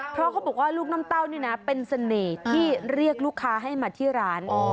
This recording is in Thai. เพราะเขาบอกว่าลูกน้ำเต้านี่นะเป็นเสน่ห์ที่เรียกลูกค้าให้มาที่ร้าน